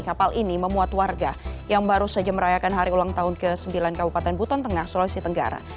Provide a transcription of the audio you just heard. kapal ini memuat warga yang baru saja merayakan hari ulang tahun ke sembilan kabupaten buton tengah sulawesi tenggara